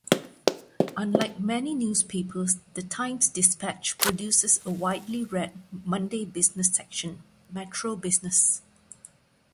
Unlike many newspapers, the "Times-Dispatch" produces a widely read Monday business section, Metro Business.